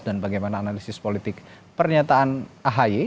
dan bagaimana analisis politik pernyataan ahy